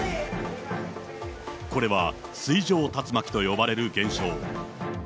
これは水上竜巻と呼ばれる現象。